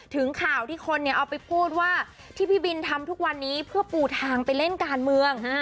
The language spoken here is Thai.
ถึงข่าวที่คนเอาไปพูดว่าที่พี่บินทำทุกวันนี้เพื่อปูทางไปเล่นการเมือง